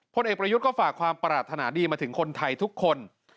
เอกประยุทธ์ก็ฝากความปรารถนาดีมาถึงคนไทยทุกคน